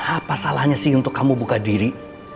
apa salahnya sih untuk kamu buka diri